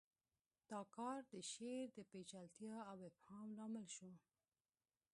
دا کار د شعر د پیچلتیا او ابهام لامل شو